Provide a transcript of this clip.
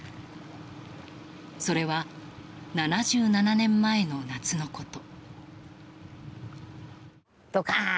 それは、７７年前の夏のこと。